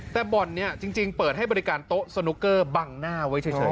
แต่บ่อนนี้จริงเปิดให้บริการโต๊ะสนุกเกอร์บังหน้าไว้เฉย